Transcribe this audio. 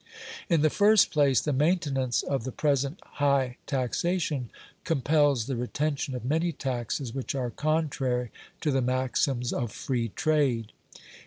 In the first place, the maintenance of the present high taxation compels the retention of many taxes which are contrary to the maxims of free trade.